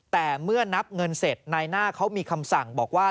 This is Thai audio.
แต่เมื่อนับเงินเสร็จนายหน้าเขามีคำสั่งบอกว่า